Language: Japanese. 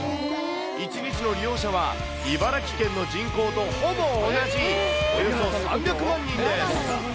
１日の利用者は茨城県の人口とほぼ同じ、およそ３００万人です。